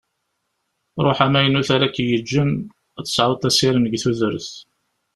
Rruḥ amaynut ara k-yeǧǧen ad tesɛuḍ asirem deg tudert.